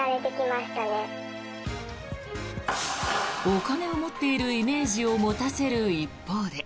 お金を持っているイメージを持たせる一方で。